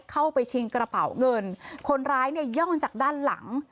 เข้าไปชิงกระเป๋าเงินคนร้ายเนี่ยย่องจากด้านหลัง